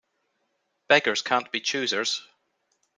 Beggars can't be choosers.